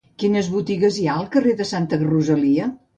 Quines botigues hi ha al carrer de Santa Rosalia?